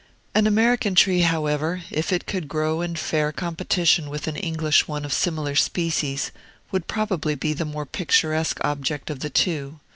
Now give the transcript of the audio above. An American tree, however, if it could grow in fair competition with an English one of similar species, would probably be the more picturesque object of the two.